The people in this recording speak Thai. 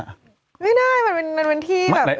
ไม่ได้มันเป็นที่แบบ